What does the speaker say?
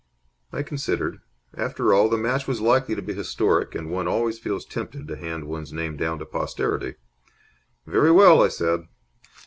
I considered. After all, the match was likely to be historic, and one always feels tempted to hand one's name down to posterity. "Very well," I said.